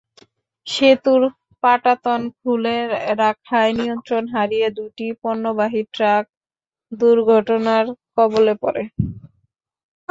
সেতুর পাটাতন খুলে রাখায় নিয়ন্ত্রণ হারিয়ে দুটি পণ্যবাহী ট্রাক দুর্ঘটনার কবলে পড়ে।